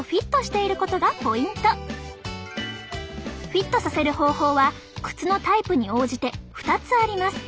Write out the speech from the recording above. フィットさせる方法は靴のタイプに応じて２つあります。